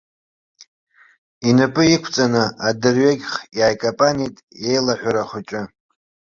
Инапы иқәҵаны, адырҩегьх иааикапанит иеилаҳәара хәыҷы.